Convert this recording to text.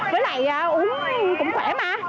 với lại uống cũng khỏe mà